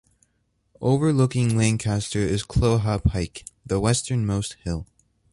Overlooking Lancaster is Clougha Pike, the western-most hill.